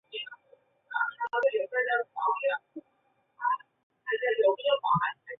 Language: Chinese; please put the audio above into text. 图尔站主要功能为始发和终到大区列车则主要经停圣皮耶尔代科尔站。